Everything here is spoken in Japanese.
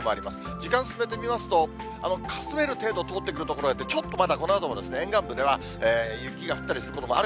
時間進めてみますと、かすれる程度、通ってくる所もあって、ちょっとまだこのあとも沿岸部では雪が降ったりすることもある